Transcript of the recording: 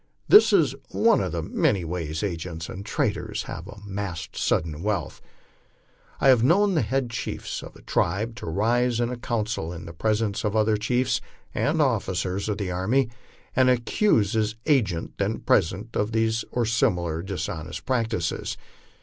This is one of the many ways agents and traders have of amassing sudden wealth. I havo known the head chiefs of a tribe to rise in a council in the presence of other chiefs and of officers of the army, and accuse his agent, then present, of these or similar dishonest practices.